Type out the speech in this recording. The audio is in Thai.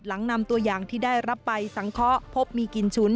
หลังนำตัวอย่างที่ได้รับไปสังเคาะพบมีกินฉุน